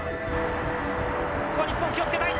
ここ日本気を付けたい。